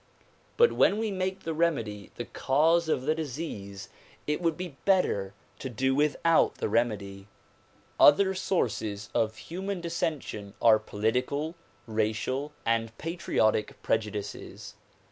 But when we make the remedy the cause of the disease, it would be better to do without the remedy. Other sources of human dissension are political, racial and patriotic prejudices.